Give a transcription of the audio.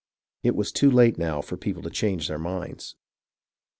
It was too late now for people to change their minds.